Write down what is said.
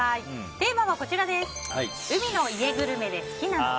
テーマは海の家グルメで好きなのは？